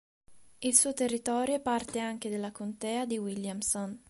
Il suo territorio è parte anche della Contea di Williamson.